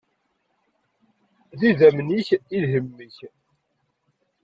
D idammen-ik, i lhemm-ik.